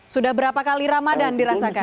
sudah berapa kali ramadan dirasakan